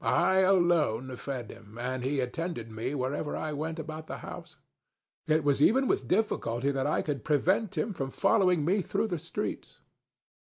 I alone fed him, and he attended me wherever I went about the house. It was even with difficulty that I could prevent him from following me through the streets.